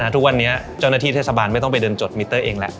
ทุกวันนี้เจ้าหน้าที่เทศบาลไม่ต้องไปเดินจดมิเตอร์เองแล้ว